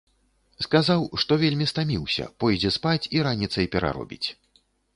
Сказаў, што вельмі стаміўся, пойдзе спаць і раніцай пераробіць.